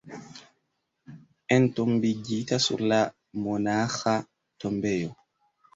Entombigita sur la monaĥa tombejo.